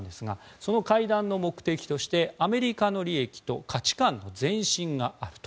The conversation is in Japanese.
その会談の目的としてアメリカの利益と価値観の前進があると。